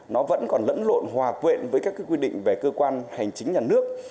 nó vẫn còn lẫn lộn hòa quyện với các quy định về cơ quan hành chính nhà nước